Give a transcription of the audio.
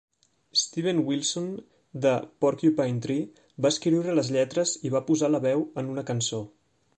Steven Wilson de Porcupine Tree va escriure les lletres i va posar la veu en una cançó.